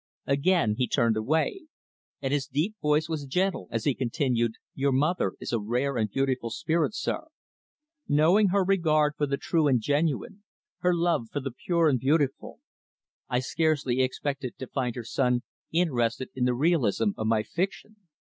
Again he turned away; and his deep voice was gentle as he continued, "Your mother is a rare and beautiful spirit, sir. Knowing her regard for the true and genuine, her love for the pure and beautiful, I scarcely expected to find her son interested in the realism of my fiction.